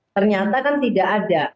ternyata kan tidak ada